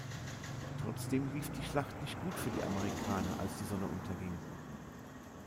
Trotzdem lief die Schlacht nicht gut für die Amerikaner, als die Sonne unterging.